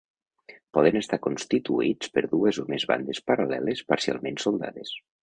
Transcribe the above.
Poden estar constituïts per dues o més bandes paral·leles parcialment soldades.